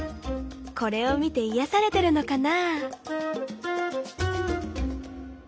これを見ていやされてるのかな？